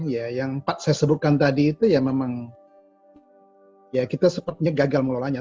ya yang empat saya sebutkan tadi itu ya memang ya kita sepertinya gagal mengelolanya